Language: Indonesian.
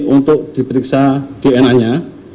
untuk diperiksa dna nya